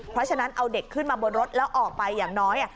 เพราะฉะนั้นเอาเด็กขึ้นมาบนรถแล้วออกไปอย่างน้อย